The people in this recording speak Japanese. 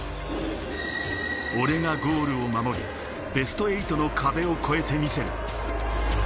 俺がゴールを守り、ベスト８の壁を越えてみせる。